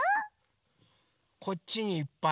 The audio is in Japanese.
こっちにいっぱい。